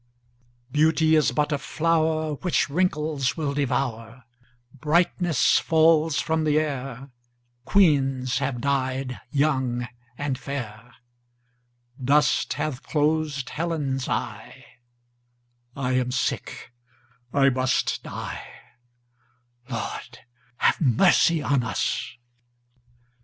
Beauty is but a flower 15 Which wrinkles will devour; Brightness falls from the air; Queens have died young and fair; Dust hath closed Helen's eye; I am sick, I must die— 20 Lord, have mercy on us!